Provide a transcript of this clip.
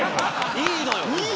いいのよ。